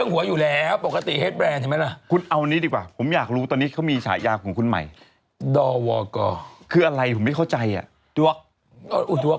กระปะเขายอกมาจากอะไรแอนกจีดาวาก่อ